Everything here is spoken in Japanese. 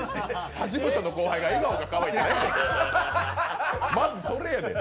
他事務所の後輩が笑顔がかわいいって何やねん。